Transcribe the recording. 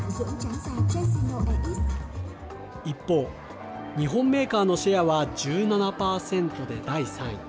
一方、日本メーカーのシェアは１７％で第３位。